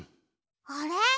あれ？